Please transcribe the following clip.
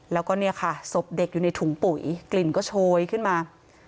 แล้วก็เนี่ยค่ะศพเด็กอยู่ในถุงปุ๋ยกลิ่นก็โชยขึ้นมา